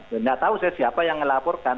tidak tahu saya siapa yang melaporkan